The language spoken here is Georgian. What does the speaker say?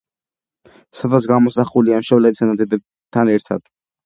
სადაც გამოსახულია მშობლებთან და დებთან ერთად.